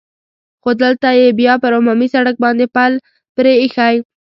خو دلته یې بیا پر عمومي سړک باندې پل پرې اېښی.